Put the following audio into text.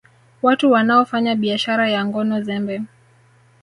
Watu wanaofanya biashara ya ngono zembe